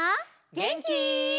げんき？